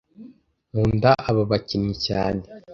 Nkunda aba bakinnyi cyane